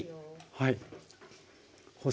はい。